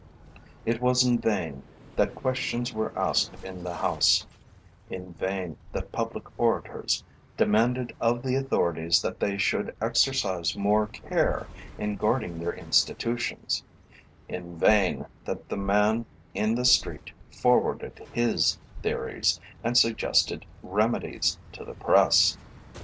It was in vain that questions were asked in the House; in vain that public orators demanded of the authorities that they should exercise more care in guarding their institutions; in vain that the man in the street forwarded his theories, and suggested remedies, to the Press.